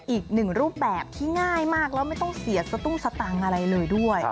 อีกหนึ่งรูปแบบที่ง่ายมากแล้วไม่ต้องเสียสตุ้งสตางค์อะไรเลยด้วย